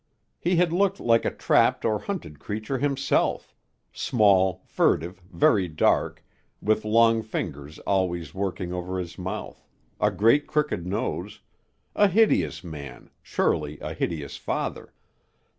He had looked like a trapped or hunted creature himself, small, furtive, very dark, with long fingers always working over his mouth, a great crooked nose a hideous man, surely a hideous father.